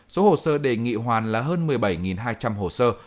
số hồ sơ đề nghị hoàn là hơn một mươi bảy hai trăm linh hồ sơ